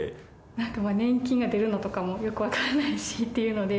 なんか年金が出るのとかもよく分からないしっていうので。